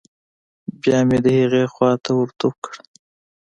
بيا مې د هغې خوا ته ورتو کړې.